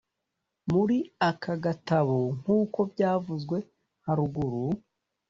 muri aka gatabo nk'uko byavuzwe haruguru,